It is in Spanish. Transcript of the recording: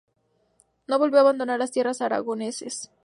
No volvió a abandonar las tierras aragonesas.